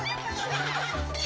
ハハハハ。